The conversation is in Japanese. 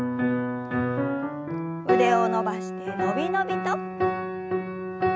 腕を伸ばしてのびのびと。